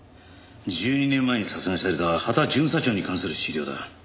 １２年前に殺害された羽田巡査長に関する資料だ。